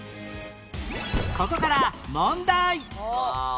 ここから問題